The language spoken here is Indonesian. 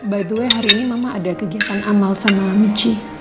by the way hari ini mama ada kegiatan amal sama michi